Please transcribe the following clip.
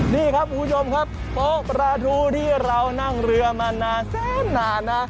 นี่ครับคุณผู้ชมครับโป๊ะปลาทูที่เรานั่งเรือมานานแสนนานนะ